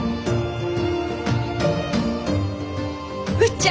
うっちゃあ